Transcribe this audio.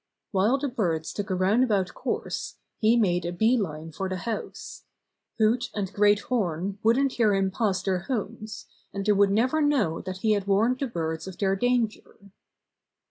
While the birds took a roundabout course, he made a bee line for the house. Hoot and Great Horn wouldn't hear him pass their homes, and they would never know that he had warned the birds of their danger.